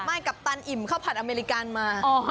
กัปตันอิ่มข้าวผัดอเมริกามา